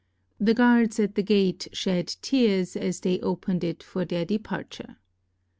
The guards at the gate shed tears, as they opened it for their departure.